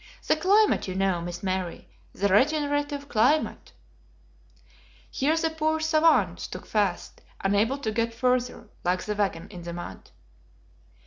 The climate, you know, Miss Mary, the regenerative climate " Here the poor SAVANT stuck fast, unable to get further, like the wagon in the mud.